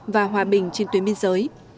và hòa bình trên tuyến biên giới